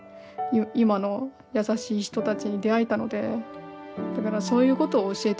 今の優しい人たちに出会えたのでだからそういうことを教えていきたいと思ってるんで。